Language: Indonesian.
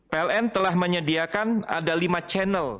pln telah menyediakan ada lima channel